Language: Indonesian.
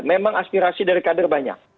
memang aspirasi dari kader banyak